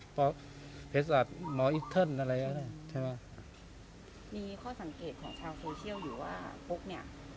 มีข้อสังเกตของชาวโทเชียลอยู่ว่าปุ๊กเนี่ยท้องไหมปุ๊กเป็นแม่ของเด็ก๑ใน๒ไหม